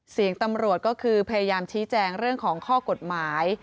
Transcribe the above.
เสียงตำรวจก็คือพยายามชี้แจงเรื่องของข้อกฎหมาย